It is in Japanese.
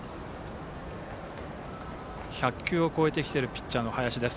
１００球を超えてきているピッチャーの林。